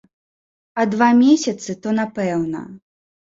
А два месяцы то напэўна.